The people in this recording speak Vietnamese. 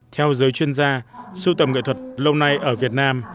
theo giới chuyên gia sưu tầm nghệ thuật lâu nay ở việt nam